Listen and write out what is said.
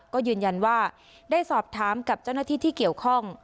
ก็ยืนยันว่าได้สอบถามกับเจ้าหน้าที่ที่เกี่ยวข้อง